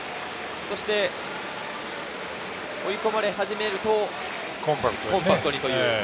そして追い込まれ始めるとコンパクトに。